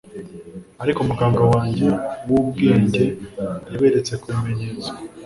Ariko umuganga wanjye wubwenge yaberetse kubimenyetso